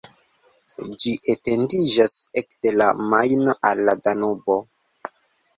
Ĝi etendiĝas ekde la Majno al la Danubo.